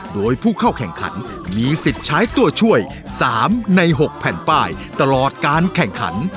โดยผู้เข้าแข่งขันมีสิทธิ์ใช้ตัวช่วย๓ใน๖แผ่นป้ายตลอดการแข่งขัน